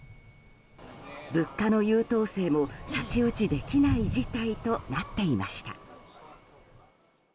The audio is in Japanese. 物価の優等生も太刀打ちできない事態となっていました。